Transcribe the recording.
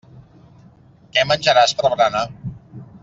Què menjaràs per berenar.